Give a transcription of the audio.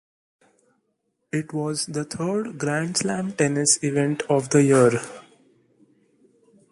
It was the third Grand Slam tennis event of the year.